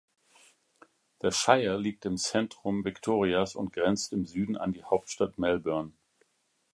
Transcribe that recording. Das Shire liegt im Zentrum Victorias und grenzt im Süden an die Hauptstadt Melbourne.